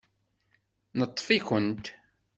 Neṭṭef-ikent.